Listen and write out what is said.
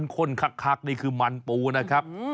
ข้นคักนี่คือมันปูนะครับ